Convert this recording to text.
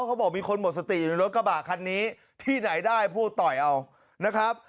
เขาบอกมีคนหมดสติอยู่ในรถกระบะคันนี้ที่ไหนได้ผู้ต่อยเอานะครับ